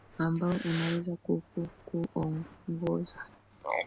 ambao unaweza ku ku kuongoza